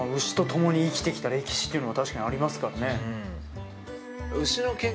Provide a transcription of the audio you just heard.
牛と共に生きてきた歴史っていうのが確かにありますからね。